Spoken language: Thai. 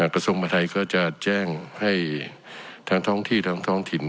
กระทรวงมหาทัยก็จะแจ้งให้ทางท้องที่ทางท้องถิ่น